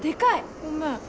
ごめん。